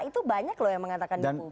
itu banyak loh yang mengatakan di publik